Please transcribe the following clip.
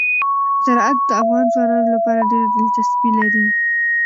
زراعت د افغان ځوانانو لپاره ډېره دلچسپي لري.